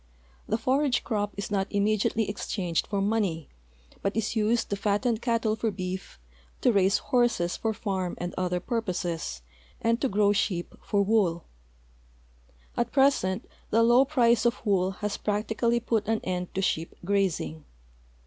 The forage crop is not immediately exchanged for money, but is used to fatten cattle for beef, to raise horses for farm and other purposes, and to grow sheep for wool. At present the low price of wool has practically put an end to sheep grazing.